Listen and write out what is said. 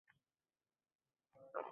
Yaqinda bir ajoyib kitob nashrdan chiqdi